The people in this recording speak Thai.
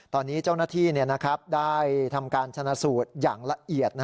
ตอนนี้เจ้าหน้าที่ได้ทำการชนะสูตรอย่างละเอียด